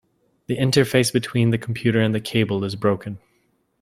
The interface between the computer and the cable is broken.